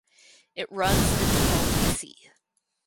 It runs into Baltic Sea.